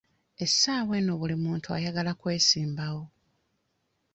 Essaawa eno buli muntu ayagala kwesimbawo.